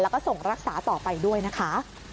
แล้วก็ส่งรักษาต่อไปด้วยนะคะ